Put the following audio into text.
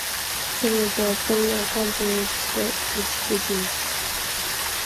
Seizures often accompany this disease.